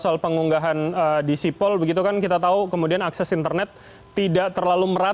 jika kita mengunggah di sipol kita tahu kemudian akses internet tidak terlalu membutuhkan